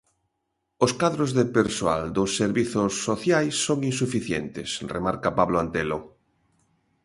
Os cadros de persoal dos servizos sociais son insuficientes, remarca Pablo Antelo.